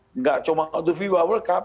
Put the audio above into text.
tidak cuma untuk viva world cup